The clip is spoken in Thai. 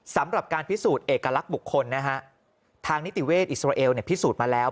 สำหรับการพิสูจน์เอกลักษณ์บุคคลนะฮะทางนิติเวศอิสราเอลเนี่ยพิสูจน์มาแล้ว